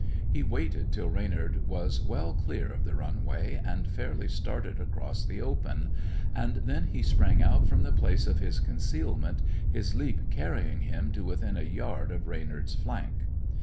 He waited till Reynard was well clear of the run way and fairly started across the open, and then he sprang out from the place of his concealment, his leap carrying him to within a yard of Reynard's flank.